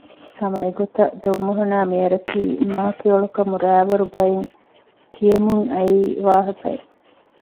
ހަމަ އެގޮތަށް ދޮންމޮހޮނާއި މިޔަރަކީ މާކެޔޮޅުކަމު ރައިވަރު ބައިން ކިޔެމުން އައީ ވާހަކައެއް